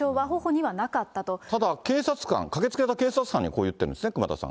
ただ警察官、駆けつけた警察官にこう言ってるんですね、熊田さん。